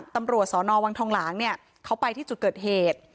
ตำรวจสนวังทองหลางเนี่ยเขาไปที่จุดเกิดเหตุ